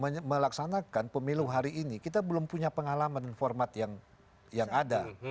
karena kita melaksanakan pemilu hari ini kita belum punya pengalaman dan format yang ada